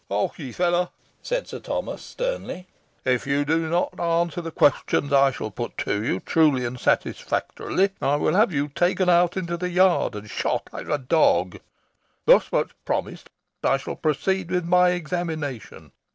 "Harkye, fellow," said Sir Thomas, sternly, "if you do not answer the questions I shall put to you, truly and satisfactorily, I will have you taken out into the yard, and shot like a dog. Thus much premised, I shall proceed with my examination.